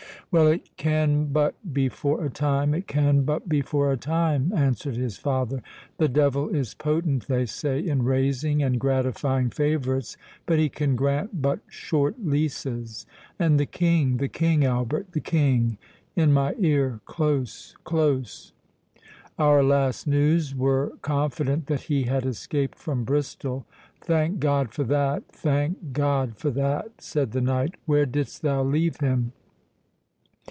"Well—it can but be for a time—it can but be for a time," answered his father; "the devil is potent, they say, in raising and gratifying favourites, but he can grant but short leases.—And the King—the King, Albert—the King—in my ear—close, close!" "Our last news were confident that he had escaped from Bristol." "Thank God for that—thank God for that!" said the knight. "Where didst thou leave him?"